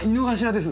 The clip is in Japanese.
です